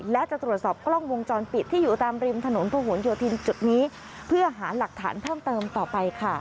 และจะตรวจสอบกล้องวงจรปิดที่อยู่ตามริมถนนพระหลโยธินจุดนี้เพื่อหาหลักฐานเพิ่มเติมต่อไปค่ะ